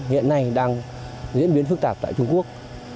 hiện nay đang diễn biến phức tạp tại trung quốc